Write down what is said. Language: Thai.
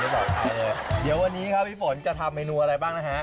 เดี๋ยววันนี้ครับพี่ฝนจะทำเมนูอะไรบ้างนะฮะ